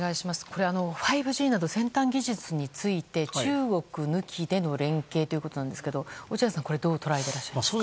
これは５Ｇなど先端技術について中国抜きでの連携ということですけども落合さんは、これをどう捉えていらっしゃいますか？